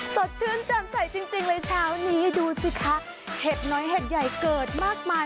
สดชื่นจำใสจริงเลยเช้านี้ดูสิคะเห็ดน้อยเห็ดใหญ่เกิดมากมาย